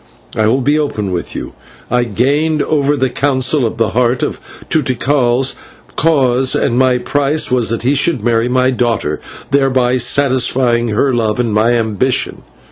I will be open with you. I gained over the Council of the Heart to Tikal's cause, and my price was that he should marry my daughter, thereby satisfying her love and my ambition.